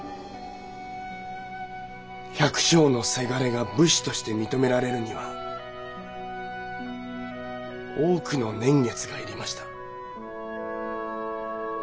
百姓のせがれが武士として認められるには多くの年月がいりました。